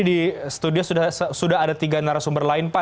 di studio sudah ada tiga narasumber lain pak